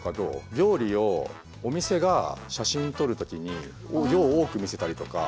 料理をお店が写真撮る時に量を多く見せたりとか。